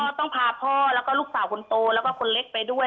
ต้องพาพ่อแล้วก็ลูกสาวคนโตแล้วก็คนเล็กไปด้วย